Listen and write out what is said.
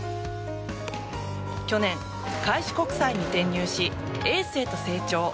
去年、開志国際に転入しエースへと成長。